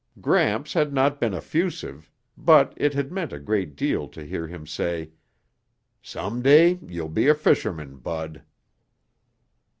Gramps had not been effusive, but it had meant a great deal to hear him say, "Some day you'll be a fisherman, Bud."